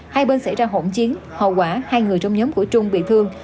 hai bên xảy ra hỗn chiến hậu quả hai người trong nhóm của trung bị thương